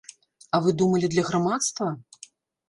А вы думалі, для грамадства?